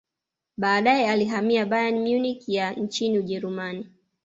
baadae alihamia Bayern Munich ya nchini ujerumani